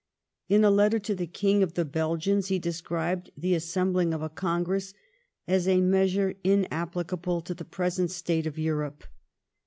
In a letter to the King of the Belgians he described the assembling of a Congress as a measure inapplicable to the present state of Europe..